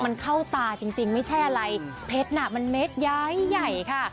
มันเข้าตาจริงไม่ใช่อะไรเพชรน่ะมันเม็ดย้ายใหญ่ค่ะ